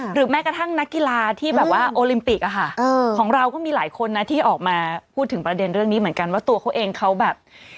แม้กระทั่งนักกีฬาที่แบบว่าโอลิมปิกอะค่ะของเราก็มีหลายคนนะที่ออกมาพูดถึงประเด็นเรื่องนี้เหมือนกันว่าตัวเขาเองเขาแบบ